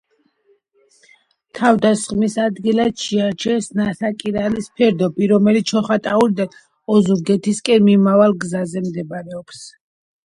თავდასხმის ადგილად შეარჩიეს ნასაკირალის ფერდობი, რომელიც ჩოხატაურიდან ოზურგეთისკენ მიმავალ გზაზე მდებარეობს.